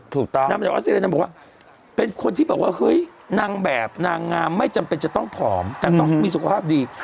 นำจากออสเตรเลนางบอกว่าเป็นคนที่แบบว่าเฮ้ยนางแบบนางงามไม่จำเป็นจะต้องผอมแต่ต้องมีสุขภาพดี